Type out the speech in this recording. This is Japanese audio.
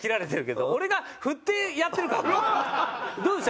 「どうでした？